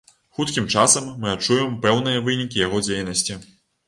Хуткім часам мы адчуем пэўныя вынікі яго дзейнасці.